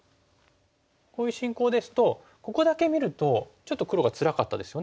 こういう進行ですとここだけ見るとちょっと黒がつらかったですよね。